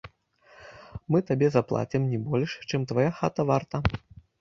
Мы табе заплацім не больш, чым твая хата варта.